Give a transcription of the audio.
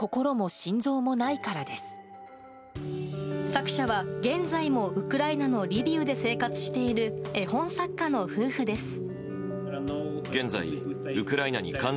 作者は、現在もウクライナのリビウで生活している絵本作家の夫婦です。